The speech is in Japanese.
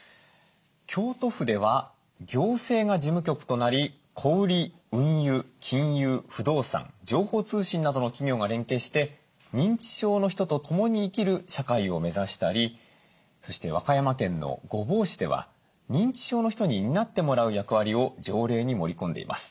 京都府では行政が事務局となり小売り運輸金融不動産情報通信などの企業が連携して認知症の人とともに生きる社会を目指したりそして和歌山県の御坊市では認知症の人に担ってもらう役割を条例に盛り込んでいます。